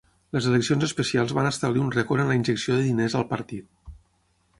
Les eleccions especials van establir un record en la injecció de diners al partit.